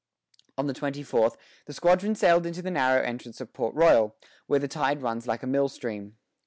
On the twenty fourth the squadron sailed into the narrow entrance of Port Royal, where the tide runs like a mill stream.